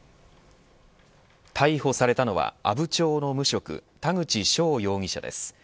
逮捕されたのは阿武町の無職田口翔容疑者です。